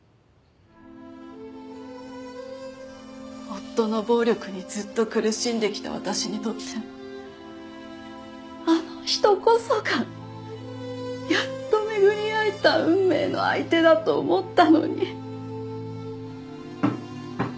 夫の暴力にずっと苦しんできた私にとってあの人こそがやっと巡り会えた運命の相手だと思ったのに。